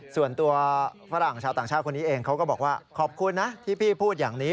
ส่วนตัวฝรั่งชาวต่างชาติคนนี้เองเขาก็บอกว่าขอบคุณนะที่พี่พูดอย่างนี้